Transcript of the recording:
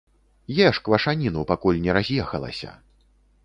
Еш квашаніну, пакуль не раз'ехалася.